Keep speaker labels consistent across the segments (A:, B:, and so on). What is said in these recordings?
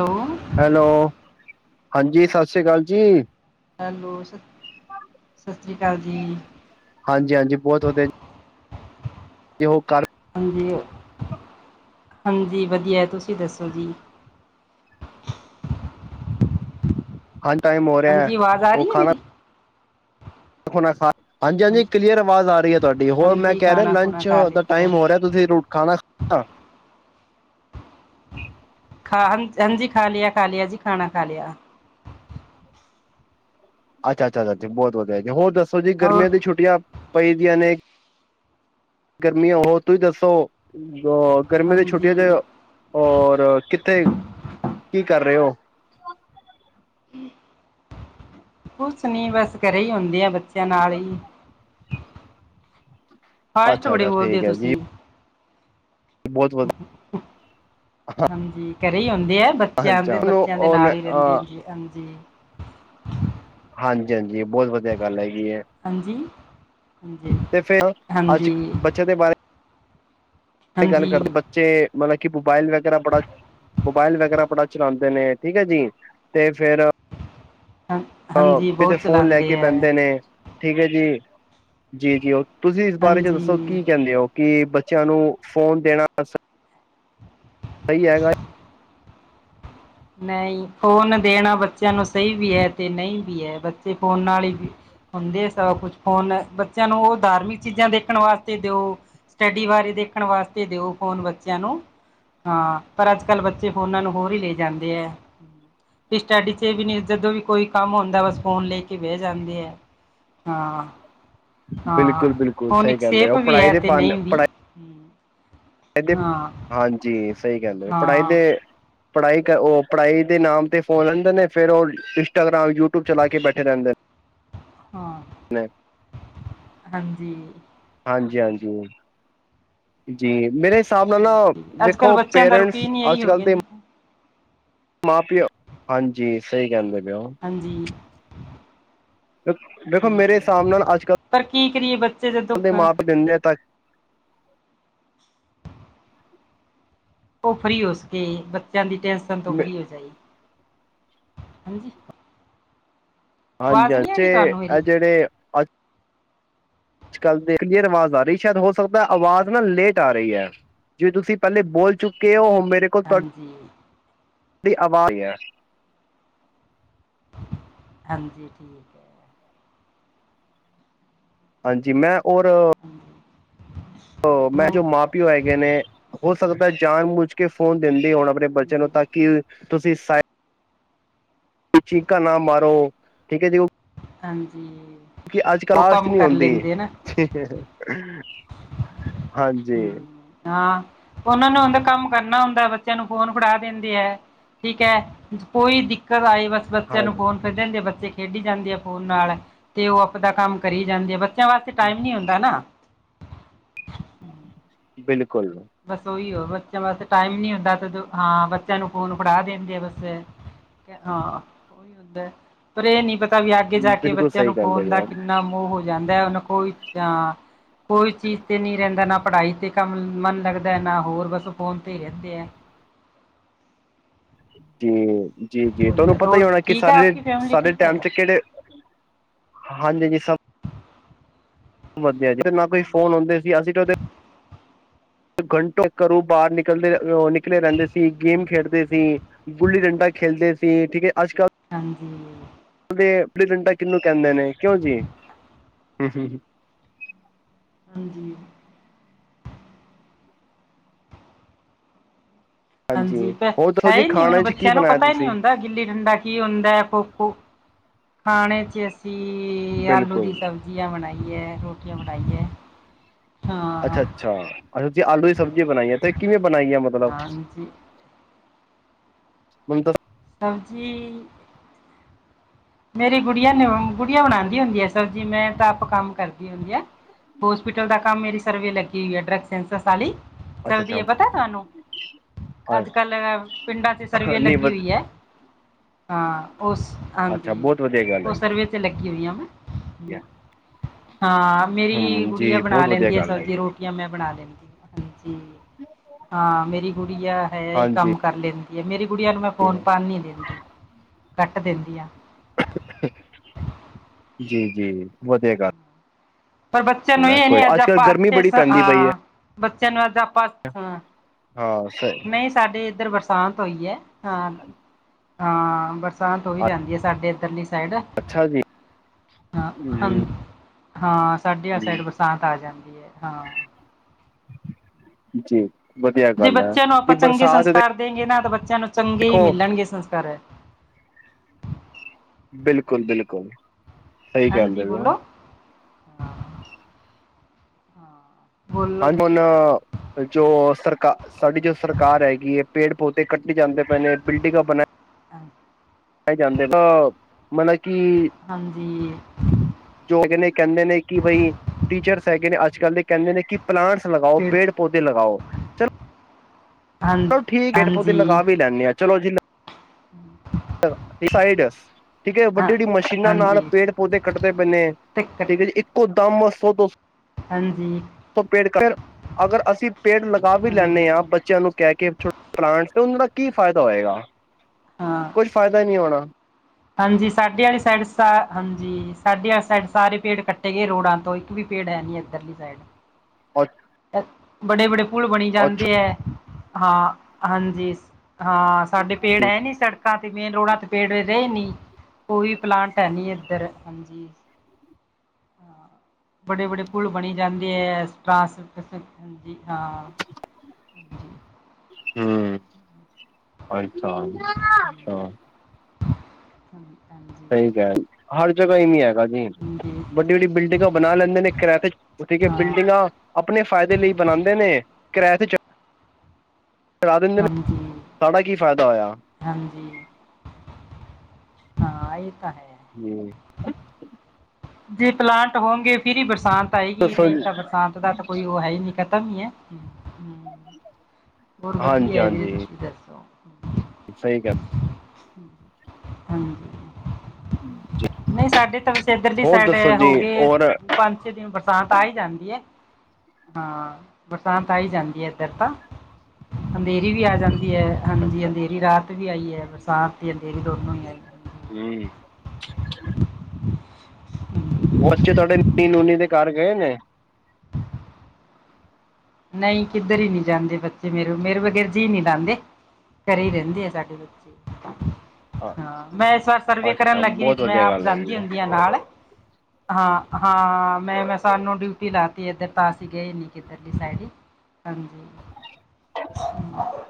A: Hello
B: hello, ਹਾਂਜੀ ਸਤਿ ਸ਼੍ਰੀ ਅਕਾਲ ਜੀ।
A: ਹੈਲੋ, ਸਤਿ ਸ਼੍ਰੀ ਅਕਾਲ ਜੀ।
B: ਹਾਂਜੀ-ਹਾਂਜੀ ਬਹੁਤ ਵਧੀਆ ਕਿ ਉਹ ਘਰ।
A: ਹਾਂਜੀ- ਹਾਂਜੀ, ਵਧੀਆਂ ਤੁਸੀਂ ਦੱਸੋ ਜੀ।
B: ਹਾਣ, ਟਾਇਮ ਹੋ ਰਿਆ ਐ
A: ਹਾਂਜੀ ਆਵਾਜ਼ ਆ
B: ਉਹ
A: ਰਹੀ ਹੈ
B: ਖਾਣਾਂ
A: ਮੇਰੀ
B: ਹੁਣ ਐਸ਼ਾਂ ਹਾਂਜੀ--ਹਾਂਜੀ ਕਲੀਅਰ ਆਵਾਜ਼ ਆ ਰਹੀ ਐ ਤੁਹਾਡੀ, ਹੋਰ ਮੈਂ
A: ਹਾਂਜੀ
B: ਕਹਿ ਰਿਹਾਂ
A: ਖਾਣਾ ਖੁਣਾ
B: ਲੰਚ
A: ਖਾ
B: ਦਾ
A: ਲਿੱਤਾ
B: ਟਾਇਮ ਹੋ ਰਿਆ ਤੁਸੀਂ ਰ ਖਾਣਾ ਖਾ
A: ਖਾ ਹ ਹਾਂਜੀ ਖਾ ਲਿਆ -ਖਾ ਲਿਆ ਜੀ ਖਾਣਾ ਖਾ ਲ਼ਿਆ।
B: ਅੱਛਾ-ਅੱਛਾ ਬਹੁਤ ਵਧੀਆਂ ਜੀ, ਹੋਰ ਦੱਸੋ ਜੀ
A: ਹੋਰ
B: ਗਰਮੀਆਂ ਦੀਆਂ ਛੁੱਟੀਆਂ ਪਈ ਦੀਆਂ ਨੇ, ਗਰਮੀਆਂ ਹੋ ਤੁਸੀਂ ਦੱਸੋ ਗਰਮੀਆਂ ਦੀਆਂ ਛੁੱਟੀਆਂ ਤੇ
A: ਹਾਂਜੀ
B: ਔਰ ਕਿੱਥੇ, ਕੀ ਕਰ ਰੇ ਔ
A: ਕੁੱਛ ਨੀ ਬਸ ਘਰੇ ਈ ਹੁੰਦੀਂ ਆ ਬੱਚਿਆਂ ਨਾਲ ਈ
B: ਅੱਛਾ-ਅੱਛਾ
A: ਬੋਲਦੇ
B: ਠੀਕ
A: ਹੋ
B: ਹੈ ਜੀ।
A: ਤੁਸੀਂ
B: ਬਹੁਤ ਵਧੀਆ
A: ਹਾਂਜੀ ਘਰੇ ਹੀ ਹੁੰਦੇ ਐ, ਬੱਚਿਆਂ ਦੇ
B: ਅੱਛਾ ਉਹਨੂੰ
A: -ਬੱਚਿਆਂ ਦੇ
B: ਉਹਨ
A: ਨਾਲ ਹੀ ਰਹਿੰਦੇ ਆ
B: ਅ
A: ਜ ਹਾਂਜੀ।
B: ਹਾਂਜੀ-ਹਾਂਜੀ ਬਹੁਤ ਵਧੀਆ ਗੱਲ ਹੈਗੀ ਐ।
A: ਹਾਂਜੀ ਹਾਂਜੀ
B: ਤੇ ਫ਼ਿਰ ਅੱਜ
A: ਹਾਂਜੀ
B: ਬੱਚੇ ਦੇ ਬਾਰੇ ਗੱਲ
A: ਹਾਂਜੀ
B: ਕਰਦੇਂ, ਬੱਚੇ ਮਤਲਬ ਕਿ ਮੋਬਾਇਲ ਵਗ਼ੈਰਾ ਬੜਾ ਮੋਬਾਇਲ ਵਗ਼ੈਰਾ ਬੜਾਂ ਚਲਾਂਦੇ ਨੇ ਠੀਕ ਹੈ ਜੀ, ਤੇ ਫਿਰ
A: ਹਾਂ
B: ਅ
A: ਹਾਂਜੀ
B: ਕਿਤੇ
A: ਬਹੁਤ
B: ਫੋਨ ਲੈ
A: ਚਲਾਉਂਦੇ
B: ਕੇ
A: ਹੈ
B: ਬੈਂਦੇ ਨੇ, ਠੀਕ ਐ ਜੀ, ਜੀ ਜੀ ਉਹ ਤੁਸੀਂ ਇਸ ਬਾਰੇ ਚ ਦੱਸੋ
A: ਹਾਂਜੀ
B: ਕੀ ਕਹਿੰਦੇ ਔ? ਕਿ ਬੱਚਿਆਂ ਨੂੰ ਫੋਨ ਦੇਣਾ ਸਈ ਹੈਗਾ ਐ।
A: ਨਈ ਫੋਨ ਦੇਣਾ ਬੱਚਿਆਂ ਨੂੰ ਸਈ ਵੀ ਐ ਤੇ ਨਈ ਵੀ ਐ ਬੱਚੇ ਫੋਨ ਨਾਲ ਹੀ ਹੁੰਦੇ ਸਭ ਕੁਛ ਫੋਨ ਬੱਚਿਆਂ ਨੂੰ ਉਹ ਧਾਰਮਿਕ ਚੀਜ਼ਾਂ ਦੇਖਣ ਵਾਸਤੇ ਦਿਓ। ਸਟੱਡੀ ਬਾਰੇ ਦੇਖਣ ਵਾਸਤੇ ਦਿਓ ਫ਼ੋਨ ਬੱਚਿਆਂ ਨੂੰ ਹਾਂ ਪਰ ਅੱਜ ਕੱਲ੍ਹ ਬੱਚੇ ਫੋਨਾ ਨੂੰ ਹੋਰ ਈ ਲੈ ਜਾਂਦੇ ਐ। ਸਟੱਡੀ ਚ ਵੀ ਨੇ ਜਦੋਂ ਵੀ ਕੋਈ ਕੰਮ ਹੁੰਦਾ ਬਸ ਫੋਨ ਲੈ ਕੇ ਬਹਿ ਜਾਂਦੇ ਐ।
B: ਬਿਲਕੁਲ
A: ਹਾਂ-ਹਾਂ,
B: ਬਿਲਕੁਲ
A: ਫੋਨ
B: ਸਹੀ ਕਹਿੰਦੇ
A: ਇੱਕਸੇਪ
B: ਹੋ
A: ਵੀ
B: ਪੜ੍ਹਾਈ
A: ਐ
B: ਦੇ
A: ਤੇ ਨਈ ਵੀ। [inaudible]
B: ਏ ਦੇ,
A: ਹਾਂ
B: ਹਾਂਜੀ ਸਹੀ ਗੱਲ ਐ ਪੜ੍ਹਾਈ ਦੇ
A: ਹਾਂ
B: ਪੜ੍ਹਾਈ ਕਰ ਉਹ ਪੜ੍ਹਾਈ ਦੇ ਨਾਮ ਤੇ ਫੋਨ ਲੈਂਦੇ ਨੇ ਫੇਰ ਉਹ ਇੰਸਟਾਗ੍ਰਾਮ, ਯੂਟਿਊਬ ਚਲਾ ਕੇ ਬੈਠੇ ਰਹਿੰਦੇ ਨੇ।
A: ਹਾਂ, ਹਾਂਜੀ।
B: ਹਾਂਜੀ-ਹਾਂਜੀ, ਜੀ ਮੇਰੇ ਹਿਸਾਬ ਨਾਲ ਨਾ
A: ਹਾਂਜੀ ਅੱਜ ਕੱਲ੍ਹ
B: ਦੇਖੋ
A: ਬੱਚਿਆਂ ਦਾ
B: ਪੇਰੈਂਟਸ
A: ਰੂਟੀਨ ਹੀ ਇਹੀ
B: ਅੱਜ
A: ਹੋ
B: ਕੱਲ
A: ਗਿਆ
B: ਦੇ
A: ਜੀ
B: ਮਾਂ ਪਿਓ ਹਾਂਜੀ ਸਹੀ ਕਹਿੰਦੇ ਪਏ ਓ।
A: ਹਾਂਜੀ,
B: ਦੇਖੋ ਮੇਰੇ
A: ਹਾਂਜੀ
B: ਹਿਸਾਬ ਨਾਲ ਅੱਜ ਕੱਲ
A: ਪਰ ਕੀ ਕਰੀਏ ਬੱਚ
B: ਦੇ ਮਾਪ ਦਿੰਦੇ ਆ ਤ
A: ਉਹ ਫਰੀ ਹੋ ਸਕੇ ਬੱਚਿਆਂ ਦੀ ਟੈਨਸਸ਼ਨ ਤੋਂ ਫਰੀ ਹੋ ਜਾਏ। ਹਾਂਜੀ, ਆਵਾਜ਼
B: ਹਾਂਜੀ-ਹਾਂਜੀ
A: ਨਹੀਂ ਆ
B: ਤੇ
A: ਰਹੀ ਤੁਹਾਨੂੰ ਮੇਰੀ
B: ਇਹ ਜਿਹੜੇ ਅ ਜ ਕੱਲ ਦੇ ਕਲੀਅਰ ਆਵਾਜ਼ ਆ ਰੀ ਸ਼ਾਇਦ ਹੋ ਸਕਦਾ ਆਵਾਜ਼ ਨਾ ਲੇਟ ਆ ਰਹੀ ਐ। ਜੇ ਤੁਸੀਂ ਪਹਿਲੇ ਬੋਲ ਚੁੱਕੇ ਹੋ ਉਹ ਮੇਰੇ
A: ਹਾਂਜੀ,
B: ਵੀ ਆਵਾਜ਼ ਐ
A: ਹਾਂਜੀ ਠੀਕ ਐ।
B: ਹਾਂਜੀ ਮੈਂ ਔਰ
A: ਹਾਂਜੀ,
B: ਮੈਂ
A: ਹਮ
B: ਜੋ ਮਾਂ ਪਿਓ ਹੈਗੇ ਨੇ, ਹੋ ਸਕਦਾ ਜਾਨ ਬੁਝ ਕੇ ਫੋਨ ਦਿੰਦੇ ਹੋਣਾ ਬ ਬੱਚੇ
A: ਹਾਂਜੀ
B: ਨੂੰ ਤਾਂ ਕਿ ਤੁਸੀਂ, ਚਿਕਾ ਨਾ ਮਾਰੋ ਠੀਕ ਐ ਜੀ ਔ
A: ਹਾਂਜੀ,
B: ਕਿ ਅੱਜ
A: ਉਹ
B: ਕਾਸਟ
A: ਕੰਮ
B: ਨੀ
A: ਕਰ
B: ਹੁੰਦੀ
A: ਲੈਂਦੇ ਨਾ
B: ਠੀਕ ਹਾਂਜੀ।
A: ਹਮ ਹਾਂ ਉਹਨਾਂ ਨੂੰ ਹੁੰਦਾ ਕੰਮ ਕਰਨਾ ਹੁੰਦਾ ਐ ਬੱਚਿਆਂ ਨੂੰ ਫੋਨ ਫੜਾ ਦਿੰਦੀ ਐ। ਠੀਕ ਐ ਕੋਈ ਦਿੱਕਤ ਆਈ ਬਸ ਬੱਚਿਆਂ ਨੂੰ
B: ਹਾਂਜੀ
A: ਫੋਨ ਫਿਰ ਦਿੰਦੇ ਆ, ਬੱਚੇ ਖੇਡੀ ਜਾਂਦੇ ਆ ਫੋਨ ਨਾਲ, ਤੇ ਉਹ ਆਪਦਾ ਕੰਮ ਕਰੀ ਜਾਂਦੇ ਆ ਬ ਬੱਚਿਆਂ ਵਾਸਤੇ ਟਾਈਮ ਨੀ ਹੁੰਦਾ ਨਾ।
B: ਬਿਲਕੁਲ।
A: ਬਸ ਉਹੀ ਹੋ ਬੱਚਿਆਂ ਵਾਸਤੇ ਟਾਈਮ ਨੀ ਹੁੰਦਾ ਹਾਂ ਬੱਚਿਆਂ ਨੂੰ ਫ਼ੋਨ ਪੜਾ ਦਿੰਦੇ ਆ ਬ ਹਾਂ ਉਹੀ ਹੁੰਦਾ ਪਰ ਇਹ ਨੀ ਪਤਾ ਤਾ ਵੀ ਅੱਗੇ ਜਾ ਕੇ
B: ਬਿਲਕੁਲ
A: ਬੱਚਿਆਂ ਨੂੰ
B: ਸਹੀ ਗੱਲ ਦੇ
A: ਫੋਨ
B: ਰਹੇ
A: ਦਾ
B: ਹੋ
A: ਕਿੰਨਾ ਮੋਹ ਹੋ ਜਾਂਦਾ ਐ ਉਹ ਨੂੰ ਕੋਈ ਹਾਂ, ਕੋਈ ਚੀਜ਼ ਤੇ ਨੀ ਰਹਿੰਦਾ ਨਾ ਪੜ੍ਹਾਈ ਤੇ ਕੰਮ ਮਨ ਲੱਗਦਾ ਨਾ ਹੋਰ ਬਸ ਫੋਨ ਤੇ ਹੀ ਰਹਿੰਦੇ ਹੈ।
B: ਜੀ-ਜੀ-ਜੀ
A: ਬਹੁਤ
B: ਤੁਹਾਨੂੰ
A: ਜ਼ਿਆਦਾ।
B: ਪਤਾ ਹੀ
A: ਹੋਰ
B: ਹੋਣਾ ਕਿ
A: ਠੀਕ ਹੈ ਆਪਕੀ ਫੈਮਿਲੀ
B: ਸਾਡੇ-ਸਾਡੇ
A: ਠੀਕ ਹੈ
B: ਟੇਮ ਚ ਕਿਹੜੇ ਹਾਂਜੀ ਜਿ ਸਬ ਵਧੀਆ ਜੀ ਨਾ ਕੋਈ ਫੋਨ ਹੁੰਦੇ ਸੀ। ਅਸੀਂ ਤੇ ਉਹਦੇ ਘੰਟੋ ਘਰੋਂ ਬਾਹਰ ਨਿਕਲਦੇ ਅਹ ਨਿਕਲੇ ਰਹਿੰਦੇ ਸੀ।
A: ਹਾਂਜੀ
B: ਗੇਮ ਖੇਡਦੇ ਸੀ ਗੁੱਲੀ ਡੰਡਾ ਖੇਲਦੇ ਸੀ। ਠੀਕ ਹੈ ਅੱਜ ਕੱਲ
A: ਹਾਂਜੀ।
B: ਗੁਲੀ ਡੰਡਾ ਕਿਹਨੂੰ ਕਹਿੰਦੇ ਨੇ। ਕਿਉਂ ਜੀ ਹਮ ਹਮ ਹੂਂ।
A: ਹਾਂਜੀ। ਹਾਂਜੀ ਹੈ
B: ਹੋਰ ਦੱਸੋ ਜੀ
A: ਹੀ ਨੀ ਹੁਣ
B: ਖਾਣੇ ਚ ਕੀ
A: ਬੱਚਿਆਂ ਨੂੰ
B: ਬਣਾਇਆ
A: ਪਤਾ ਹੀ ਨਹੀਂ
B: ਤੁਸੀਂ
A: ਹੁੰਦਾ ਗਿੱਲੀ ਡੰਡਾ ਕੀ ਹੁੰਦਾ ਹੈ ਖੋਕੋ। ਖਾਣੇ ਚ ਅਸੀਂ ਆਲੂ
B: ਬਿਲਕੁਲ
A: ਦੀ ਸਬਜ਼ ਭੁਜ਼ੀਆਂ ਬਣਾਈਏ ਰੋਟੀਆਂ ਬਣਾਈਏ
B: ਅੱਛਾ-ਅੱਛਾ-ਅੱਛਾ ਤੁਸੀਂ ਆਲੂ ਦੀ ਸਬਜ਼ੀ ਬਣਾਈ ਹੈ ਤੇ ਕਿਵੇਂ ਬਣਾਈ ਹੈ? ਮਤਲਬ
A: ਹਾਂਜੀ
B: [unintelligible]
A: ਸਬਜ਼ੀ ਮੇਰੀ ਗੁੜੀਆਂ ਨ ਗੁੜੀਆਂ ਬਣਾਦੀ ਹੁੰਦੀ ਆ ਸਬਜੀ। ਮੈਂ ਤਾਂ ਆਪ ਕੰਮ ਕਰਦੀ ਹੁੰਦੀ ਆ। ਹੋਸਪੀਟਲ ਦਾ ਕੰਮ ਮੇਰੀ ਸਰਵੇ ਲੱਗੀ ਹੋਈ ਹੈ। [unintelligible]
B: ਅੱਛਾ
A: ਚੱਲਦੀ
B: ਅੱਛਾ
A: ਹੈ ਪਤਾ ਤੁਹਾਨੂੰ? ਅੱਜ ਕੱਲ ਪਿੰਡਾਂ ਚ ਸਰਵੇ
B: ਨਹੀਂ ਵ
A: ਲੱਗੀ ਹੋਈ ਹੈ। ਹਾਂ ਉਸ ਅ
B: ਅੱਛਾ ਬੋਤ ਵਧੀਆਾ ਗੱਲ ਹੈ ਜੀ।
A: ਚ ਲੱਗੀ ਹੋਈ ਆ ਵੈਂ। ਹਾਂ ਮੇਰੀ
B: ਹਮ
A: ਗੁੜੀਆ
B: ਜੀ
A: ਬਣਾ
B: ਬਹੁਤ ਵਧੀਆ
A: ਲੈਂਦੀ ਆ
B: ਗੱਲ
A: ਸਬਜ਼ੀ
B: ਹੈਗੀ ਹੈ
A: ਰੋਟੀ। ਮੈਂ ਬਣਾ ਲੈਂਦੀ। ਹਾਂਜੀ ਹਾਂ ਮੇਰੀ ਗੁੜੀ ਆ ਹੈ
B: ਹਾਂਜੀ
A: ਕੰਮ ਕਰ ਲੈਂਦੀ ਮੇਰੀ ਗੁੜੀਆਂ ਨੂੰ ਮੈਂ ਫੋਨ ਪਾਣ ਨਹੀਂ ਦਿੰਦੀ, ਕੱਟ ਦਿੰਦੀ ਹਾਂ
B: ਜੀ-ਜੀ ਵਧੀਆ ਗੱਲ।
A: ਪਰ ਬੱਚਿਆਂ ਨੂੰ
B: ਹੈ
A: ਇਹ
B: ਕੋਈ
A: ਨੀ ਅੱਜ
B: ਕੱਲ੍ਹ
A: ਆਪਾਂ
B: ਗਰਮੀ
A: ਅੱਛੇ
B: ਬੜੀ ਪੈਂਦੀ ਪਈ ਹੈ
A: ਹਾਂ ਬੱਚਿਆਂ ਨੂੰ ਅੱਜ ਆਪਾਂ ਹਾਂ
B: ਹਾਂ ਸ
A: ਸਾਡੇ ਇੱਧਰ ਬਰਸਾਤ ਹੋਈ ਹੈ ਹਾਂ। ਹਾਂ ਬਰਸਾਤ ਹੋਈ ਜਾਂਦੀ ਹੈ ਸਾਡੇ ਇੱਧਰਲੀ ਸਾਈਡ।
B: ਅੱਛਾ ਜੀ
A: ਹ ਹ
B: ਹਮ
A: ਹਾਂ ਸਾਡੀ ਆਂ ਸਾਈਡ ਬਰਸਾਤ ਆ ਜਾਂਦੀ ਹੈ ਹਾਂ।
B: ਜੀ ਵਧੀਆ ਗੱਲ ਹੈ। ਤੇ ਬਰਸਾਤ ਦੇ
A: ਦੇਗੇ ਨਾ ਤਾਂ ਬੱਚਿਆਂ ਨੂੰ ਚੰਗੇ ਹੀ ਮਿਲਣਗੇ ਸੰਸਕਾਰ।
B: ਬਿਲਕੁਲ ਬਿਲਕੁਲ ਸਹੀ
A: ਹਾਂਜੀ
B: ਕਹਿੰਦੇ ਪਏ ਹੋ।
A: ਬੋਲੋ ਹਾਂ ਹਾਂ ਬੋਲੋ
B: ਹਾਂਜੀ ਹੁਣ
A: ਤੁਸੀਂ
B: ਜੋ ਸਰਕਾਰ ਸਾਡੀ ਜੋ ਸਰਕਾਰ ਹੈਗੀ ਹੈ। ਪੇੜ ਪੌਦੇ ਕੱਟੀ ਜਾਂਦੇ ਪਏ ਨੇ। ਬਿਲਡਿੰਗਾਂ ਬਣਾ
A: [unintelligible]
B: ਕਹੀ ਜਾਂਦੇ ਤਾਂ ਮਤਲਬ ਕਿ
A: ਹਾਂਜੀ।
B: ਜੋ ਹੈਗੇ ਨੇ, ਕਹਿੰਦੇ ਨੇ ਕਿ ਬਈ ਟੀਚਰਸ ਹੈਗੇ ਨੇ, ਅੱਜ- ਕੱਲ੍ਹ ਦੇ ਕਹਿੰਦੇ ਨੇ ਕੀ ਪਲਾਂਟਸ ਲਗਾਓ,
A: ਫਿਰ
B: ਪੇੜ ਪੌਦੇ ਲਗਾਓ।
A: ਹਾਂ
B: ਚਲੋ ਠੀਕ
A: ਹਾਂਜੀ
B: [unintelligible] ਹਾਂ ਚਲੋ ਜੀ
A: [inaudible]
B: [unintelligible] ਠੀਕ ਐ
A: ਹਾਂ
B: ਵੱਡੀ ਜੇੜੀ ਮਸ਼ੀਨਾਂ ਨਾਲ
A: ਹਾਂਜੀ
B: ਪੇੜ-ਪੌਦੇ ਕੱਟਦੇ ਪੇ ਨੇ,
A: ਟਿਕਟ
B: ਠੀਕ ਐ ਜੀ ਇੱਕੋ ਦਮ ਸੋ-ਦੋ ਸੋ
A: ਹਾਂਜੀ।
B: ਤੋ ਪੇੜ ਰ ਅਗਰ ਅਸੀਂ ਪੇੜ ਲਗਾ ਵੀ
A: ਹਾਂਜੀ
B: ਲੈਂਨੇ ਆ ਬੱਚਿਆਂ ਨੂੰ ਕੈ ਕੇ ਪਲਾਂਟਸ 'ਤੇ ਉਨਾਂ ਦਾ ਕੀ ਫ਼ਾਇਦਾ ਹੋਏਗਾ?
A: ਹਾਂ।
B: ਕੋਈ ਫਾਇਦਾ ਈ ਨੀ ਹੋਣਾ।
A: ਹਾਂਜੀ ਸਾਡੇ ਆਲੀ ਸਾਈਡ ਸਾ ਹਾਂਜੀ ਸਾਡੀ ਆ ਸਾਈਡ ਸਾਰੇ ਪੇੜ ਕੱਟੇ ਗੇ ਰੋੜਾ ਤੋਂ ਇੱਕ ਵੀ ਪੇੜ ਹੈ ਨੀ ਏਧਰਲੀ ਸਾਈਡ।
B: ਅੱ
A: ਬੜੇ-ਬੜੇ ਪੁੂਲ ਬਣੀ ਜਾਂਦੇ ਐ, ਹਾਂ ਹਾਂਜੀ ਹਾਂ ਸਾਡੇ ਪੇੜ ਹੈ ਨੀ ਸੜਕਾਂ 'ਤੇ ਮੇਨ ਰੋੜਾ 'ਤੇ ਪੇੜ ਰਏ ਨੀ। ਕੋਈ ਪਲਾਂਨਟ‌ ਹੈ ਨੀ ਏਧਰ, ਹਾਂਜੀ। ਬੱੜੇ-ਬੜੇ ਪੁਲ ਬਣੀ ਜਾਂਦੇ ਐ, ਟਰਾਂਸ ਬਸ ਹਾਂਜੀ ਹਾਂ, ਹਾਂਜੀ।
B: ਹੂੰ, ਆਈ ਥਾ ਹਾਂ।
A: [inaudible]
B: ਸਈ ਕੈ ਹਰ ਜਗਾ ਏਈ ਹੈਗਾ‌ ਨੀ, ਵੱਡੀ-ਵੱਡੀ ਬਿਲਡਿੰਗਾਂ ਬਣਾ ਲੈਂਦੇ ਨੇ ਕਿਰਾਏ 'ਤੇ ਠੀਕ ਏ ਬਿਲਡਿੰਗਾਂ ਆਪਣੇ ਫਾਇਦੇ ਲਈ ਬਣਾਂਦੇ ਨੇ ਕਿਰਾਏ 'ਤੇ ਚ ੜਾ ਦਿੰਦੇ ਨੇ, ਸਾਡਾ ਕੀ ਫਾਇਦਾ ਹੋਇਆ?
A: ਹਾਂਜੀ। ਹਾਂ ਏ ਤਾਂ ਹੈ।
B: ਹੂੰ।
A: ਜੇ ਪਲਾਂਨਟ ਹੋਣਗੇ‌ ਫਿਰ ਈ ਬਰਸਾਤ ਆਏਗੀ
B: ਦੱਸੋ
A: ਨਈ
B: ਜੀ
A: ਤਾਂ ਬਰ ਸਾਤ ਦਾ ਤਾਂ ਕੋਈ ਓ ਹੈ ਈ ਨੀ ਖਤਮ ਈ ਐ। ਹੋਰ ਵਧੀਆ ਐ ਵੀਰੇ ਤੁਸੀ ਵੀ ਦੱਸ
B: ਸਈ ਗੱ
A: ਹਾਂਜੀ।
B: ਹੂੰ।
A: ਨਈ ਸਾਡੇ ਤਾਂ ਵੈਸੇ ਏਧਰਲੀ ਸਾਈਡ
B: ਜੀ
A: ਹੋਗੇ
B: ਹੋਰ
A: ਪੰਜ-ਛੇ ਦਿਨ ਬਰਸਾਤ ਆਈ ਜਾਂਦੀ ਐ। ਹਾਂ‌ ਬਰਸਾਤ ਆਈ ਜਾਂਦੀ ਏਧਰ ਤਾਂ, ਅੰਧੇਰੀ ਵੀ ਆ ਜਾਂਦੀ ਐ। ਹਾਂਜੀ
B: ਅੱਛਾ
A: ਅੰਧੇਰੀ ਰਾਤ ਵੀ ਆਈ ਐ ਬਰਸਾਤ 'ਤੇ ਅੰਧੇਰੀ ਦੋਨੋ ਈ ਆਏ।
B: ਠੀ ਬੱਚੇ ਤੁਹਾਡੇ ਨਾਨੀ ਨੂਨੀ ਦੇ ਘਰ ਗਏ ਨੇ?
A: ਨਈ ਕਿੱਧਰ ਈ ਨੀ ਜਾਂਦੇ ਬੱਚੇ ਮੇਰ ਮੇਰੇ ਵਗੈਰ ਜੀ ਨੀ ਲਾਂਦੇ। ਘਰੇ ਈ ਰਹਿੰਦੇ ਆ ਸਾਡੇ ਬੱਚੇ। ਹਾਂ ਮੈਂ ਇਸ ਵਾਰ ਸਰਵੇ
B: ਅੱਛਾ
A: ਕਰਨ
B: ਅੱਛਾ
A: ਲੱਗੀ ਨੀ
B: ਬਹੁਤ
A: 'ਤੇ ਮੈਂ
B: ਵਧੀਆ
A: ਆਪ
B: ਗੱਲ
A: ਜਾਂਦੀ
B: ਹੈਗੀ ਹੈ
A: ਹੁੰਦੀ ਆ ਨਾਲ। ਹਾਂ, ਹਾਂ ਮੈਂ-ਮੈਂ ਸਾਨੂੰ ਡਿਊਟੀ ਲਾਤੀ ਏਧਰ ਤਾਂ ਅਸੀਂ ਗਏ ਨੀ ਕਿੱਧਰ ਲੀ ਸਾਈਡ ਈ, ਹਾਂਜੀ, ਹੂੰ।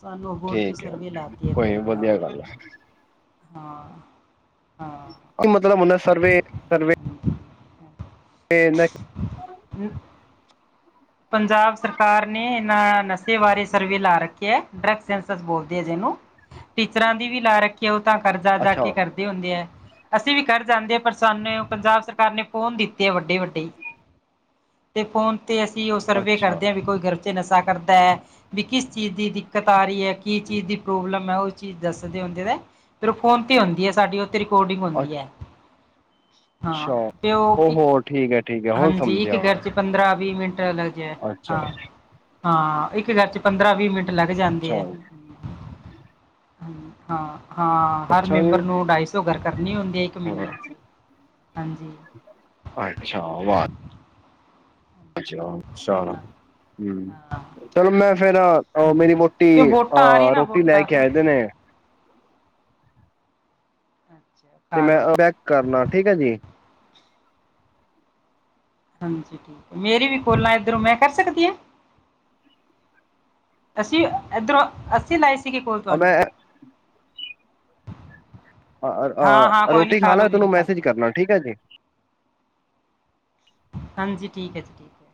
A: ਸਾਨੂੰ ਹੋਰ ਚੀ
B: ਠੀਕ ਹੈ
A: ਸਰਵੇ ਲਾਤੀ
B: ਕੋਈ
A: ਏਧਰ ਹਾਂ।
B: ਵਧੀਆ ਗੱਲ ਹੈ
A: ਹਾਂ, ਹਾਂ।
B: ਕੀ ਮਤਲ ਦਾ ਮੁਨਾ ਸਰਵੇ ਏ ਮੈਂ
A: ਹੂੰ। ਪੰਜਾਬ ਸਰਕਾਰ ਨੇ ਏਨਾਂ ਨਸ਼ੇ ਬਾਰੇ ਸਰਵੇ ਲਾ ਰੱਖੇ ਐ ਡਰਗਸ ਸੈਸਰਜ ਬੋਲਦੇ ਜੇ ਏਨੂੰ ਟੀਚਰਾਂ ਦੀ ਵੀ ਲਾ ਰੱਖੀਏ ਉਹ ਤਾਂ ਕਰਜ਼ਾ ਜਾ
B: ਅੱਛਾ
A: ਕੇ ਕਰਦੇ ਹੁੰਦੇ ਆ। ਅਸੀਂ ਵੀ ਕਰ ਜਾਂਦੇ ਆ ਪਰ ਸਾਨੂੰ ਪੰਜਾਬ ਸਰਕਾਰ ਨੇ ਫੋਨ ਦਿੱਤੇ ਆ ਵੱਡੇ -ਵੱਡੇ। ਤੇ ਫੋਨ ਤੇ ਅਸੀਂ ਉਹ ਸਰਵੇ
B: ਅੱਛਾ
A: ਕਰਦੇ ਆ ਵੀ ਕੋਈ ਗਰ 'ਚ ਨਸ਼ਾ ਕਰਦੈ। ਵੀ ਕਿਸ ਚੀਜ਼ ਦੀ ਦਿੱਕਤ ਆ ਰਹੀ ਐ ਕੀ ਚੀਜ਼ ਦੀ ਪ੍ਰੋਬਲਮ ਏ ਉਹ ਚੀਜ਼ ਦੱਸਦੇ ਹੁੰਦੇ ਦੈ। ਜੋਂ ਫੋਨ ਤੇ ਹੁੰਦੀ ਏ ਸਾਡੀ ਓਥੇ ਰਿਕੋਡਿੰਗ ਹੁੰਦੀ ਏ। ਹਾਂ
B: ਅੱਛਾ
A: ਤੇ ਉਹ ਇੱਕ,
B: ਹੋ ਠੀਕ ਹੈ ਠੀਕ ਹੈ ਹੁਣ
A: ਹਾਂਜੀ ਇੱਕ
B: ਸਮਝਿਆ
A: ਗਰ 'ਚ ਪੰਦਰਾਂ-ਵੀਹ ਮਿੰਟ ਲੱਗ ਜੇ
B: ਅੱਛਾ
A: ਹਾਂ, ਹਾਂ ਇੱਕ ਗਰ 'ਚ ਪੰਦਰਾਂ ਵੀਹ ਮਿੰਟ ਲੱਗ ਜਾਂਦੇ
B: ਅੱਛਾ
A: ਏ। ਹਾਂ, ਹਾਂ ਹਰ
B: ਅੱਛਾ ਜੀ
A: ਮੈਂਬਰ ਨੂੰ ਡਾਈ ਸੌ ਘਰ ਕਰਨੇ ਹੁੰਦੇ ਇੱਕ
B: ਹਾਂ
A: ਮਹੀਨੇ 'ਚ ਹਾਂਜੀ।
B: ਅੱਛਾ ਆਵਾਜ਼ ਅੱਛਾ, ਚਲ
A: ਹਾਂ
B: ਹੂੰ।
A: ਹਾਂ
B: ਚਲੋ ਮੈਂ ਫੇਰ ਅ
A: ਹੂੰ
B: ਮੇਰੀ ਮੋਟੀ
A: ਕਿਉਂ ਵੋਟਾਂ ਆ ਰਹੀਆਂ
B: ਅ
A: ਨਾ
B: ਰੋਟੀ ਲੈ
A: ਵੋਟਾਂ
B: ਕੇ
A: ਹੈ।
B: ਆਏ ਦੇ ਨੇ।
A: ਅੱਛਾ।
B: ਤੇ
A: ਖਾ
B: ਮੈਂ
A: ਲੋ ਜੀ
B: ਚੈੱਕ ਕਰਨਾ ਠੀਕ ਹੈ ਜੀ।
A: ਹਾਂਜੀ ਠੀਕ ਹੈ, ਮੇਰੀ ਵੀ ਕੋਲਾਂ ਏਧਰੋਂ ਮੈਂ ਕਰ ਸਕਦੀ ਆ? ਅਸੀਂ ਇੱਧਰੋਂ, ਅਸੀਂ ਲਾਈ ਸੀਗੀ ਕੋਲ
B: ਮੈਂ
A: ਤੁਹਾਨੂੰ।
B: ਅ
A: ਹਾਂ ਹਾਂ
B: ਅ
A: ਕੋਈ ਨੀ
B: ਰੋਟੀ ਖਾ
A: ਲੋ
B: ਲਾ
A: ਵੀਰੇ
B: ਤੈਨੂੰ ਮੈਸੇਜ
A: ਲੋ।
B: ਕਰਨਾ ਠੀਕ ਹੈ ਜੀ।
A: ਹਾਂਜੀ ਠੀਕ ਐ ਜੀ। ਹੈ।